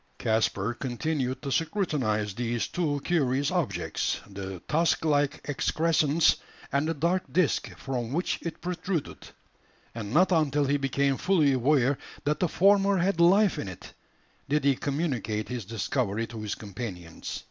Caspar continued to scrutinise these two curious objects the tusk like excrescence, and the dark disc from which it protruded; and not until he became fully aware that the former had life in it, did he communicate his discovery to his companions.